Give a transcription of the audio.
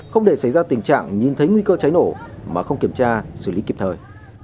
không để xảy ra tình trạng nhìn thấy nguy cơ cháy nổ mà không kiểm tra xử lý kịp thời